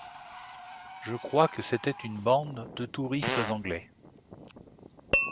Je crois que c'était une bande de touristes anglais.